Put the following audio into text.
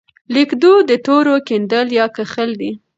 لیکدود د تورو کیندل یا کښل دي.